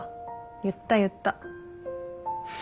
言った言った。